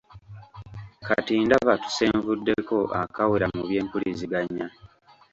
Kati ndaba tusenvuddeko akawera mu by'empuliziganya.